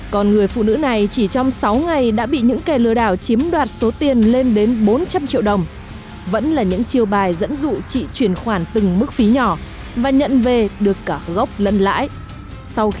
còn quay tiếp ngày thứ hai giá trị sản phẩm lên trung bình là tầm chín triệu bảy triệu